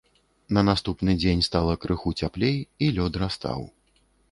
На наступны дзень стала крыху цяплей, і лёд растаў.